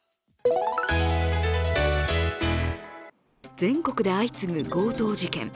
全国で相次ぐ強盗事件。